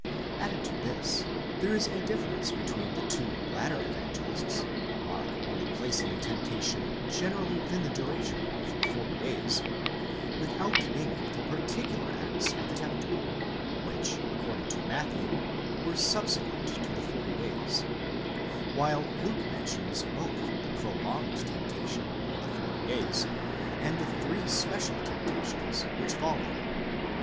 Added to this, there is a difference between the two latter evangelists ; Mark only placing the tempta tion generally within the duration of forty days, without naming the particular acts of the tempter, which according to Matthew, were subsequent to the forty days ; while Luke mentions both the prolonged temptation (πειράζεσθαι) of the forty days, and the three special temptations (πειρασμοὶ) which followed.